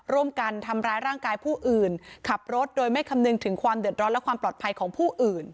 ร่วมกันทำร้ายร่างกายผู้อื่นขับรถโดยไม่คำนึงถึงความเดือดร้อนและความปลอดภัยของผู้อื่น